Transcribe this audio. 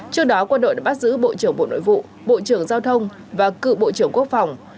trước đó quân đội đã bắt giữ bộ trưởng bộ nội vụ bộ trưởng giao thông và cựu bộ trưởng quốc phòng